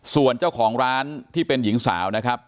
ส่วนเจ้าของร้านที่เป็นหญิงสาวนะครับ